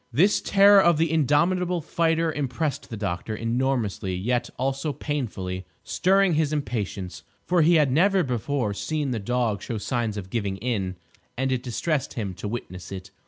This terror of the indomitable fighter impressed the doctor enormously; yet also painfully; stirring his impatience; for he had never before seen the dog show signs of giving in, and it distressed him to witness it.